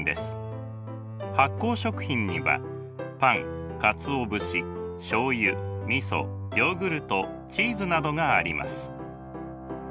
発酵食品にはパンかつお節しょうゆみそヨーグルトチーズなどがあります。